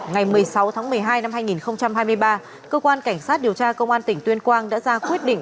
ngày một mươi sáu tháng một mươi hai năm hai nghìn hai mươi ba cơ quan cảnh sát điều tra công an tỉnh tuyên quang đã ra quyết định